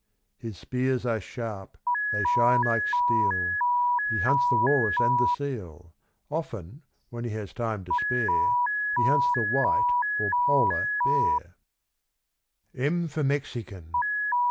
His spears are sharp they shine like steel; He hunts the walrus and the seal. Often, when he has time to spare, He hunts the white or polar bear. M for Mexican.